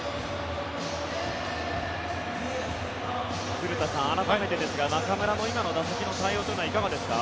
古田さん、改めてですが中村の今の打席の対応はいかがですか。